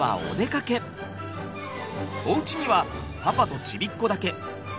おうちにはパパとちびっこだけ。